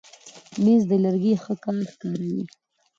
مېز د لرګي ښه کار ښکاروي.